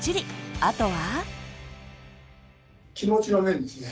あとは。